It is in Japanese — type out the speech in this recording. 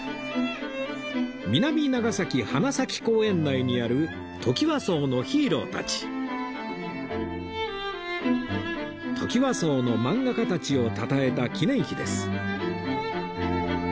南長崎花咲公園内にあるトキワ荘のマンガ家たちをたたえた記念碑です